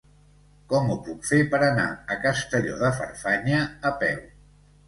Com ho puc fer per anar a Castelló de Farfanya a peu?